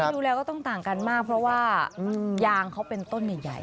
ดูแลก็ต้องต่างกันมากเพราะว่ายางเขาเป็นต้นใหญ่